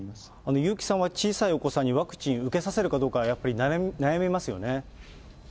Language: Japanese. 優木さんは小さいお子さんにワクチン受けさせるかどうかは、やっぱり悩みますよね。